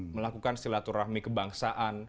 melakukan silaturahmi kebangsaan